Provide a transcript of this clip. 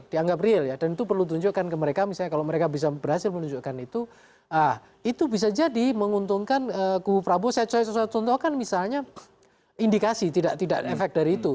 dan itu perlu ditunjukkan ke mereka misalnya kalau mereka bisa berhasil menunjukkan itu itu bisa jadi menguntungkan ku prabowo secara contoh contoh kan misalnya indikasi tidak efek dari itu